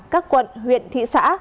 các quận huyện thị xã